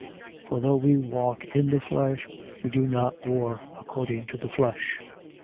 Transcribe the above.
10:3. For though we walk in the flesh, we do not war according to the flesh. 10:4.